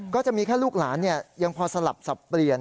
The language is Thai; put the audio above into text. ก็จะมีแค่ลูกหลานยังพอสลับสับเปลี่ยน